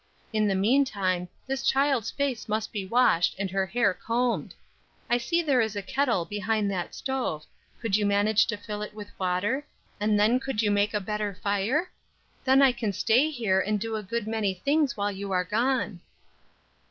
In the meantime, this child's face must be washed and her hair combed. I see there is a kettle behind that stove, could you manage to fill it with water, and then could you make a better fire? Then, I can stay here and do a good many things while you are gone."